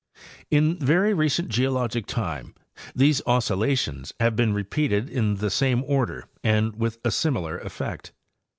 In very recent geologic time these oscillations have been re peated in the same order and with a similar effect.